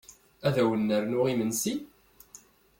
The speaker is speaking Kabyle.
Ad wen-nernu imesnsi?